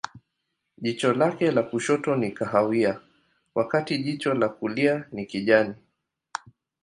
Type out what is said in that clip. Jicho lake la kushoto ni kahawia, wakati jicho la kulia ni kijani.